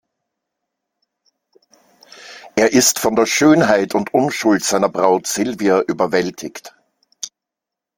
Er ist von der Schönheit und Unschuld seiner Braut Silvia überwältigt.